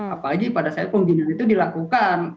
apalagi pada saat pembinaan itu dilakukan